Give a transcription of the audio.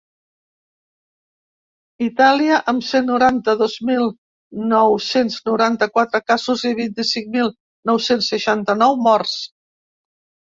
Itàlia, amb cent noranta-dos mil nou-cents noranta-quatre casos i vint-i-cinc mil nou-cents seixanta-nou morts.